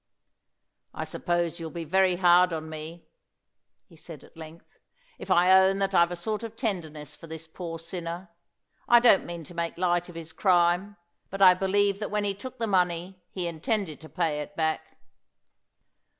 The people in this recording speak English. "I suppose you'll be very hard on me," he said at length, "if I own that I've a sort of tenderness for this poor sinner. I don't mean to make light of his crime, but I believe that when he took the money he intended to pay it back."